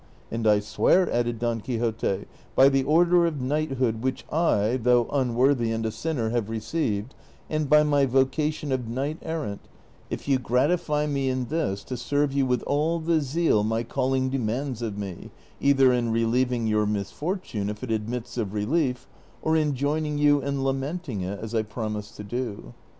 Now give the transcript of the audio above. And I swear," added Don Quixote, " by the order of knighthood which I, though unworthy and a sinner, have received, and by my vocation of knight errant, if you gratify me in this, to serve yoii Avith all the zeal my calling demands of me, either in I'elieving your misfortune if it admits of relief, or in joining you in lamenting it as T promised to do."